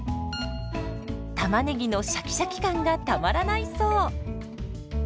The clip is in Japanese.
たまねぎのシャキシャキ感がたまらないそう。